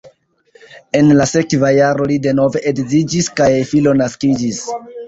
En la sekva jaro li denove edziĝis kaj filo naskiĝis.